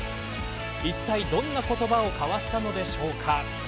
いったい、どんな言葉を交わしたのでしょうか。